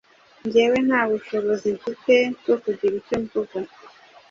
njyewe nta bushobozi mfite bwo kugira icyo mvuga,